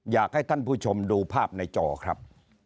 อยากให้ท่านผู้ชมดูภาพในจอครับ